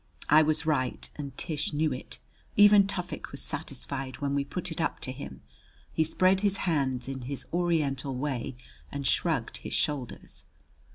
I was right and Tish knew it. Even Tufik was satisfied when we put it up to him. He spread his hands in his Oriental way and shrugged his shoulders.